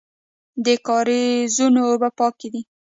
د کاریزونو اوبه پاکې دي